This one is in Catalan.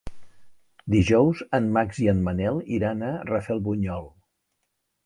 Dijous en Max i en Manel iran a Rafelbunyol.